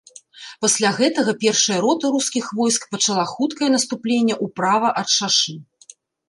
Пасля гэтага першая рота рускіх войск пачала хуткае наступленне ўправа ад шашы.